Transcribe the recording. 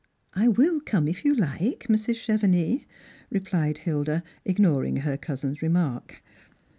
" I will come if you like, Mrs. Chevenix," repUed Hilda, ignoring her cousin's remark.